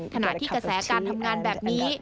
ขณะที่กระแสการทำงานแบบนี้